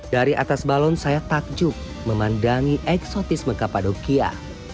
dari atas balon saya takjub memandangi eksotisme kapadokia